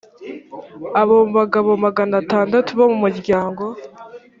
abo bagabo magana atandatu bo mu muryango